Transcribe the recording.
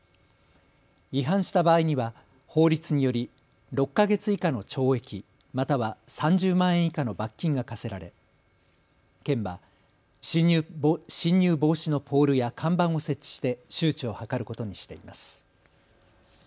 違反した場合には法律により６か月以下の懲役、または３０万円以下の罰金が科せられ県は侵入防止のポールや看板を設置して周知を図ることにしています。